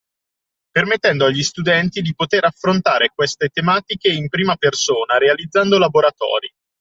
Permettendo agli studenti di poter affrontare queste tematiche in prima persona e realizzando laboratori